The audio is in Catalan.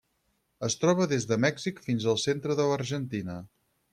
Es troba des de Mèxic fins al centre de l'Argentina.